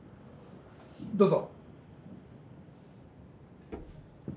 どうぞ。